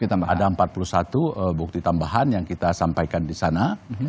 kita ada empat puluh satu bukti tambahan yang kita sampaikan di sana